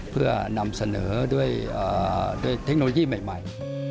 เพื่อนำเสนอด้วยเทคโนโลยีใหม่